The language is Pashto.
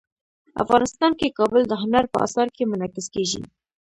افغانستان کې کابل د هنر په اثار کې منعکس کېږي.